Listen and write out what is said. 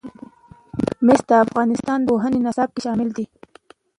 مس د افغانستان د پوهنې نصاب کې شامل دي.